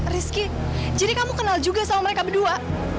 rizky jadi kamu kenal juga sama mereka berdua